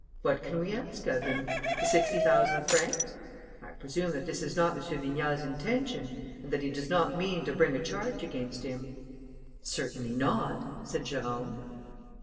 What can we ask of him? The sixty thousand francs? I presume that this is not M. Vignal's intention and that he does not mean to bring a charge against him?" "Certainly not," said Jérôme.